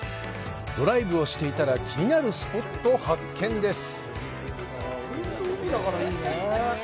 ドライブしていたら、気になるスポットを発見です。